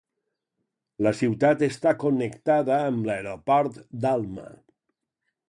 La ciutat està connectada amb l'aeroport d'Alma.